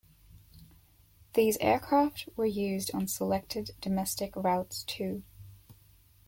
These aircraft were used on selected domestic routes too.